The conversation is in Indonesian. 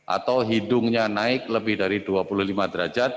atau hidungnya naik lebih dari dua puluh lima derajat